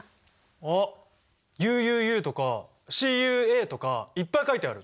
あっＵＵＵとかＣＵＡとかいっぱい書いてある！